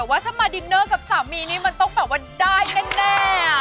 ว่าถ้ามาดินเนอร์กับสามีนี่มันต้องแบบว่าได้แน่